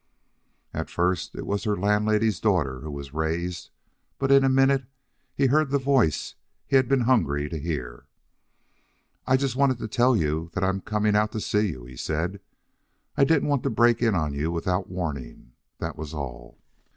At first it was her landlady's daughter who was raised, but in a minute he heard the voice he had been hungry to hear. "I just wanted to tell you that I'm coming out to see you," he said. "I didn't want to break in on you without warning, that was all."